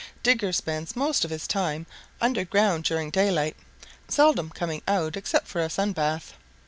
"Digger spends most of his time under ground during daylight, seldom coming out except for a sun bath.